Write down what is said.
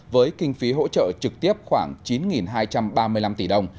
với kinh phí hỗ trợ trực tiếp khoảng chín hai trăm ba mươi năm tỷ đồng